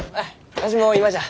わしも今じゃ。